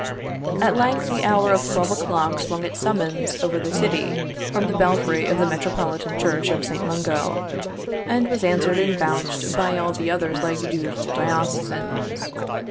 At length the hour of twelve o'clock swung its summons over the city from the belfry of the metropolitan church of St. Mungo, and was answered and vouched by all the others like dutiful diocesans.